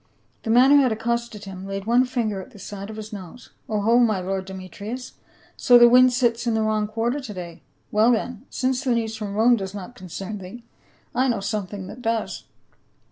The man who had accosted him laid one finger at the side of his nose, " O ho, my lord Demetrius, so the wind sits in the wrong quarter to day. Well then, since the news from Rome does not concern thee, I know something that does.